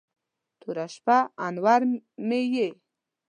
توره شپه، انور مې یې